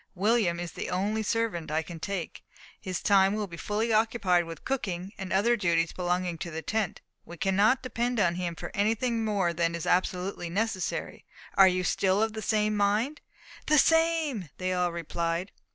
William is the only servant I can take. His time will be fully occupied with cooking, and other duties belonging to the tent. We cannot depend on him for anything more than is absolutely necessary. Are you still of the same mind?" "The same!" they all replied.